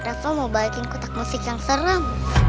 rafa mau balikin kotak musik yang serem